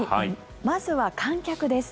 まずは観客です。